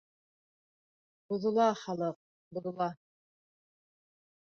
Боҙола халыҡ, боҙола...